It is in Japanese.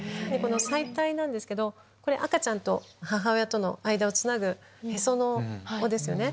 臍帯なんですけど赤ちゃんと母親との間をつなぐへその緒ですよね。